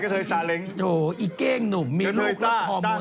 กะเถยซ่าล้างบ่อปลา